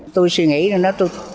tôi suy nghĩ là